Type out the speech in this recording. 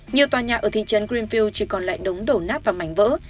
nhiều tòa nhà ở thị trấn greenville chỉ còn lại đống đổ nắp và mảnh vỡ